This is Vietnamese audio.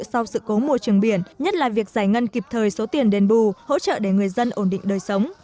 sau sự cố môi trường biển nhất là việc giải ngân kịp thời số tiền đền bù hỗ trợ để người dân ổn định đời sống